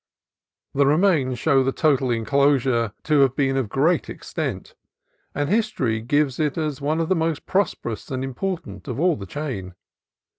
184 CALIFORNIA COAST TRAILS The remains show the total enclosure to have been of great extent, and history gives it as one of the most prosperous and important of all the chain.